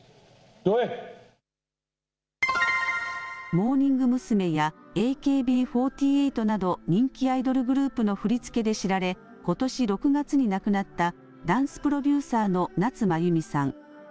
モーニング娘。やＡＫＢ４８など、人気アイドルグループの振り付けで知られ、ことし６月に亡くなった、ダンスプロデューサーの夏まゆみさん。